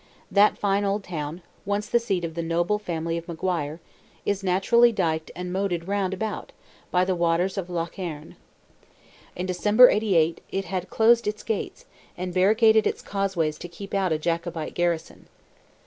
That fine old town, once the seat of the noble family of Maguire, is naturally dyked and moated round about, by the waters of Lough Erne. In December, '88, it had closed its gates, and barricaded its causeways to keep out a Jacobite garrison.